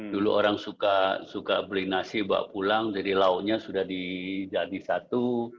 dulu orang suka beli nasi bawa pulang jadi lauknya sudah dijadi satu